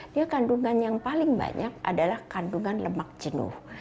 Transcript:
dia kandungan yang paling banyak adalah kandungan lemak jenuh